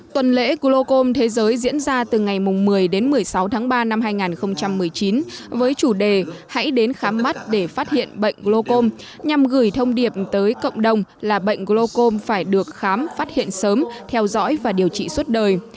tuần lễ glocom thế giới diễn ra từ ngày một mươi đến một mươi sáu tháng ba năm hai nghìn một mươi chín với chủ đề hãy đến khám mắt để phát hiện bệnh glocom nhằm gửi thông điệp tới cộng đồng là bệnh glocom phải được khám phát hiện sớm theo dõi và điều trị suốt đời